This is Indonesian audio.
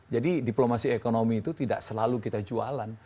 jadi diplomasi ekonomi itu tidak selalu kita jualan